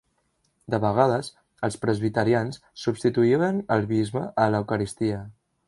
De vegades, els presbiterians substituïen el bisbe a l'eucaristia.